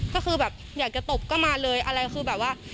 ก็คือแบบอยากจะตบก็มาเลยอะไรคือแบบว่า